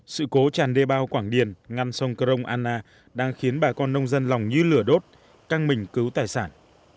sự cố tràn đê bao quảng điền ngăn sông crong anna đang khiến bà con nông dân lòng như lửa đốt căng mình cứu tài sản